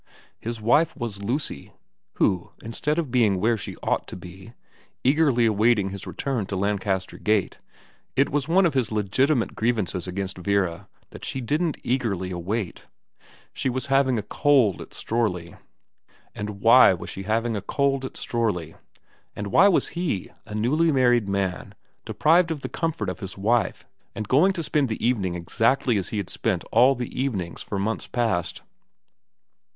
His wife was Lucy; who, instead of being where she ought to be, eagerly awaiting his return to Lancaster Gate it was one of his legitimate grievances against Vera that she didn't eagerly await she was having a cold at Strorley. And why was she having a cold at Strorley ? And why was he, a newly married man, deprived of the comfort of his wife and going to spend the evening exactly as he had spent all the evenings for months past